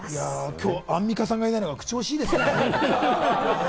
きょう、アンミカさんがいないのが口惜しいですね。